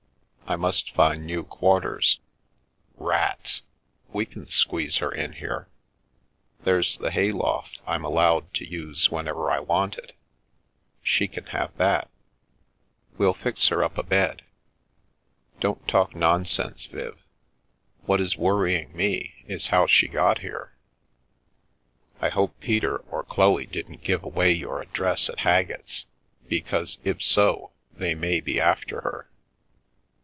I must find new quar ters." " Rats ! We can squeeze her in here. There's the hayloft I'm allowed to use whenever I want it. She can have that. We'll fix her up a bed. Don't talk u it t We Increase and Multiply nonsense, Viv. What is worrying me is how she here. I hope Peter or Chloe didn't give away y address at Haggett's, because if so, they may be a her."